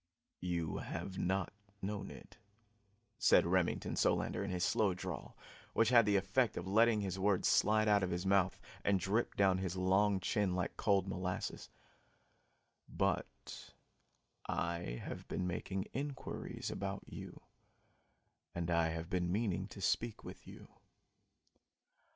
"You have not known it," said Remington Solander in his slow drawl, which had the effect of letting his words slide out of his mouth and drip down his long chin like cold molasses, "but I have been making inquiries about you, and I have been meaning to speak to you.